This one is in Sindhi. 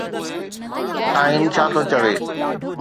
آئين ڇا ٿو چوي؟